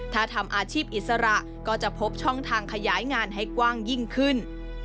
ถ้าทำอาชีพอิสระก็จะพบช่องทางขยายงานให้กว้างยิ่งขึ้น